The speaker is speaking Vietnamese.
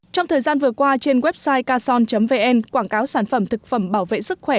trong thời gian vừa qua trên website cason vn quảng cáo sản phẩm thực phẩm bảo vệ sức khỏe